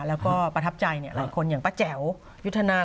แล้วก็ประทับใจหลายคนอย่างป้าแจ๋วยุทธนา